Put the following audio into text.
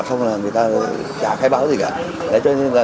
xong là người ta chả khai báo gì cả